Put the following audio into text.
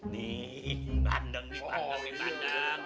nih pandang nih pandang